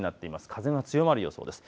風が強まる予想です。